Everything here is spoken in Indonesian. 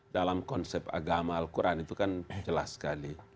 dalam konsep agama al quran itu kan jelas sekali